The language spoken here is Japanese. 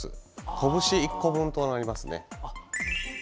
こぶし１個分となりますね。